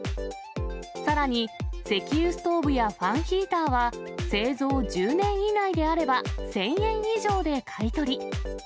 さらに、石油ストーブやファンヒーターは、製造１０年以内であれば、１０００円以上で買い取り。